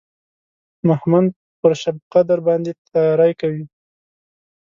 مهمند پر شبقدر باندې تیاری کوي.